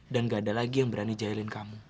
dan nggak ada lagi yang berani jahilin kamu